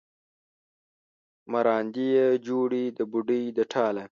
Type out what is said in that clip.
مراندې یې جوړې د بوډۍ د ټاله